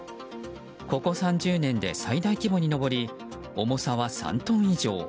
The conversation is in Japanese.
ここ３０年で最大規模に上り重さは３トン以上。